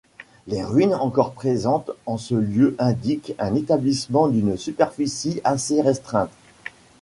Les ruines encore présentes en ce lieu indiquent un établissement d'une superficie assez restreinte.